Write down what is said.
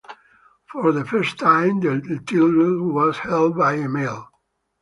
For the first time, the title was held by a male.